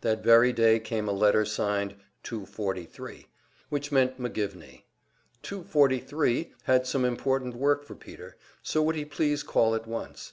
That very day came a letter signed "Two forty three," which meant McGivney. "Two forty three" had some important work for Peter, so would he please call at once?